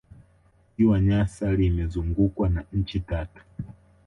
ziwa nyasa limezungukwa na nchi tatu